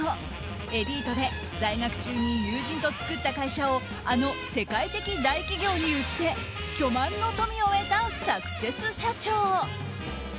エリートで在学中に友人と作った会社をあの世界的大企業に売って巨万の富を得たサクセス社長。